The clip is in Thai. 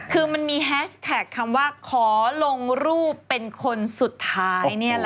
คือมันมีแฮชแท็กคำว่าขอลงรูปเป็นคนสุดท้าย